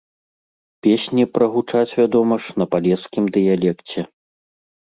Песні прагучаць, вядома ж, на палескім дыялекце.